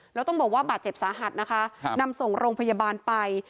แล้วต้องบอกว่าบาดเจ็บสาหัสนะคะนำส่งโรงพยาบาลไป